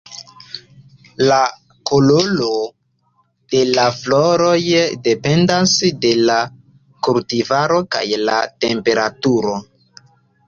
La koloro de la floroj dependas de la kultivaro kaj la temperaturo.